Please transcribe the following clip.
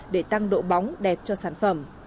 để tăng độ bóng đẹp cho sản phẩm